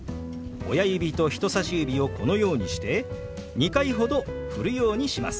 親指と人さし指をこのようにして２回ほどふるようにします。